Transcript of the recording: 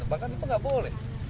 bahkan itu nggak boleh